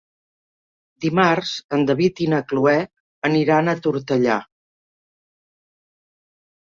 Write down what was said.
Dimarts en David i na Cloè aniran a Tortellà.